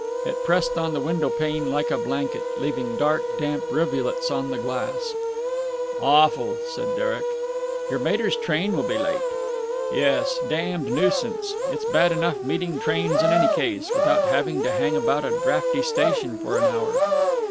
It pressed on the window pane like a blanket, leaving dark, damp rivulets on the glass. "Awful!" said Derek, "Your mater's train will be late." "Yes. Damned nuisance. It's bad enough meeting trains in any case, without having to hang about a draughty station for an hour."